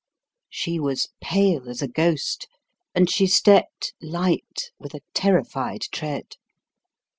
She was pale as a ghost, and she stepped light with a terrified tread.